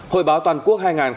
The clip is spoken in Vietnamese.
hội báo toàn quốc hành